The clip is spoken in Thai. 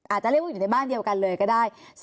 อาจจะเรียกว่าอยู่ในบ้านเดียวกันเลยก็ได้